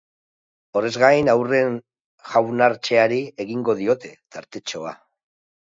Horrez gain, haurren jaunartzeari egingo diote tartetxoa.